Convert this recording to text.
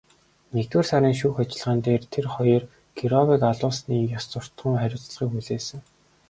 Нэгдүгээр сарын шүүх ажиллагаан дээр тэр хоёр Кировыг алуулсны ёс суртахууны хариуцлагыг хүлээсэн.